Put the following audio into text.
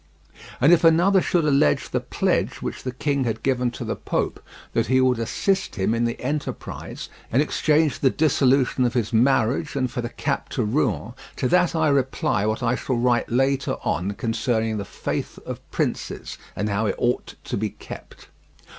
And if another should allege the pledge which the king had given to the Pope that he would assist him in the enterprise, in exchange for the dissolution of his marriage and for the cap to Rouen, to that I reply what I shall write later on concerning the faith of princes, and how it ought to be kept.